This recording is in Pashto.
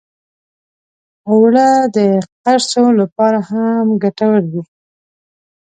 اوړه د قرصو لپاره هم ګټور دي